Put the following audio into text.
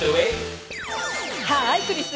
ハーイクリス！